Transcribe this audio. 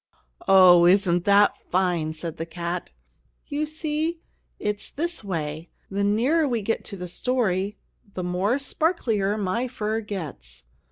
"Oh, isn't that fine!" said the cat. "You see, it's this way the nearer we get to the story, the more sparklier my fur gets."